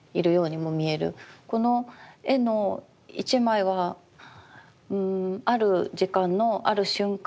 この絵の一枚はある時間のある瞬間